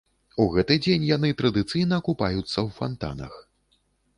У гэты дзень яны традыцыйна купаюцца ў фантанах.